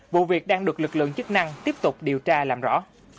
vụ việc đang được lực lượng chức năng tiếp tục điều tra làm rõ